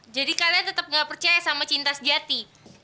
jadi kalian tetap gak percaya sama cinta sejati